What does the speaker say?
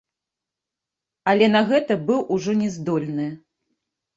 Але на гэта быў ужо не здольны.